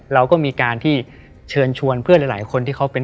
เราก็มีการที่เชิญชวนเพื่อนหลายคนที่เขาเป็น